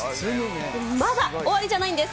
まだ終わりじゃないんです。